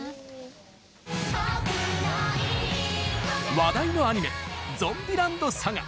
話題のアニメ「ゾンビランドサガ」。